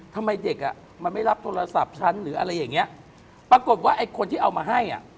ทำไมเด็กอ่ะมันไม่รับโทรศัพท์ฉันหรืออะไรอย่างเงี้ยปรากฏว่าไอ้คนที่เอามาให้อ่ะ